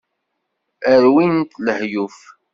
Rwin-t lehyuf.